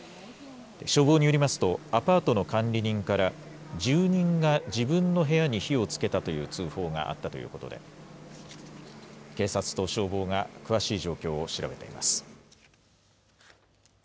消防によりますと、アパートの管理人から、住人が自分の部屋に火をつけたという通報があったということで、警察と消防が詳しい状況を調べています。